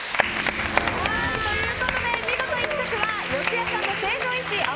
ということで見事１着は四谷さんの成城石井あ